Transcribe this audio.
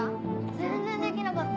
全然できなかった。